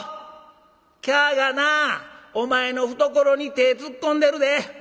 キャがなお前の懐に手ぇ突っ込んでるで。